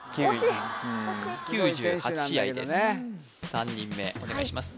３人目お願いします